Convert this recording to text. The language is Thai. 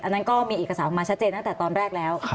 นั้นก็มีเอกสารออกมาชัดเจนตั้งแต่ตอนแรกแล้ว